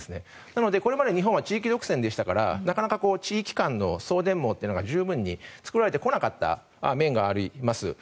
なので、これまで日本は地域独占でしたからなかなか地域間の送電網というのが十分に作られた来なかった面があります。